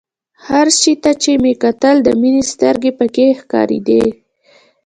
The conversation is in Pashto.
هر شي ته چې مې کتل د مينې سترګې پکښې ښکارېدې.